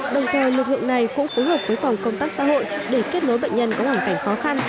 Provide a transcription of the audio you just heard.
đồng thời lực lượng này cũng phối hợp với phòng công tác xã hội để kết nối bệnh nhân có hoàn cảnh khó khăn